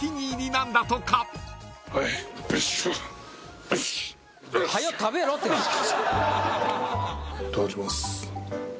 いただきます。